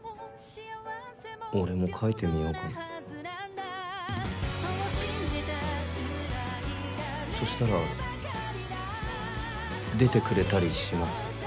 俺も書いてみようかなそしたら出てくれたりします？